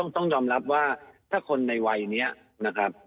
ต้องยอมรับว่าถ้าคนในวัยนี้นะครับ